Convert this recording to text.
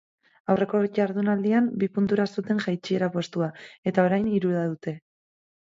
Aurreko jardunaldian bi puntura zuten jaitsiera postua eta orain hirura dute.